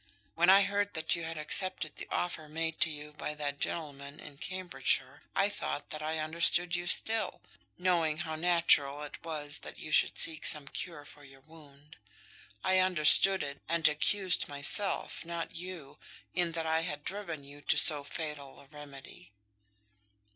When I heard that you had accepted the offer made to you by that gentleman in Cambridgeshire, I thought that I understood you still, knowing how natural it was that you should seek some cure for your wound. I understood it, and accused myself, not you, in that I had driven you to so fatal a remedy."